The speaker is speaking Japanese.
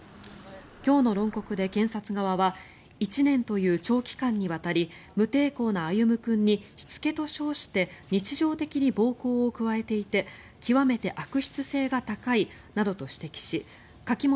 今日の論告で検察側は１年という長期間にわたり無抵抗な歩夢君にしつけと称して日常的に暴行を加えていて極めて悪質性が高いなどと指摘し柿本